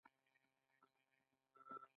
آیا میوند بانک فعال دی؟